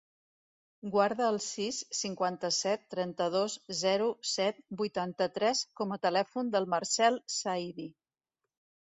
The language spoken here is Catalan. Guarda el sis, cinquanta-set, trenta-dos, zero, set, vuitanta-tres com a telèfon del Marcèl Saidi.